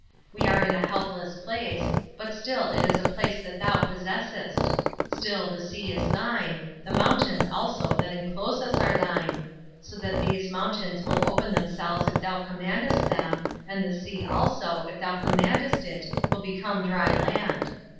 We are in a helpless place, but still it is a place that thou possessest; still the sea is thine, the mountains also that enclose us are thine; so that these mountains will open themselves if thou commandest them, and the sea also, if thou commandest it, will become dry land.